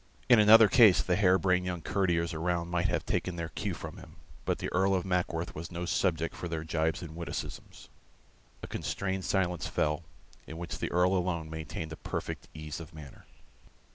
In another case the hare brained young courtiers around might have taken their cue from him, but the Earl of Mackworth was no subject for their gibes and witticisms. A constrained silence fell, in which the Earl alone maintained a perfect ease of manner.